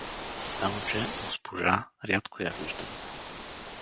Само че, госпожа, рядко я виждам.